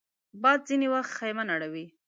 باد ځینې وخت خېمه نړوي